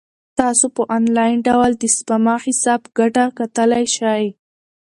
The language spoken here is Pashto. تاسو په انلاین ډول د سپما حساب ګټه کتلای شئ.